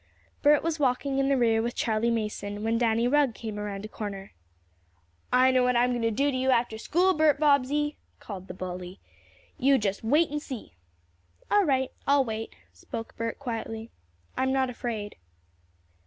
Bert was walking in the rear with Charley Mason, when Danny Rugg came around a corner. "I know what I'm going to do to you after school, Bert Bobbsey!" called the bully. "You just wait and see." "All right I'll wait," spoke Bert quietly. "I'm not afraid."